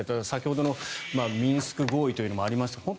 先ほどのミンスク合意というのもありました。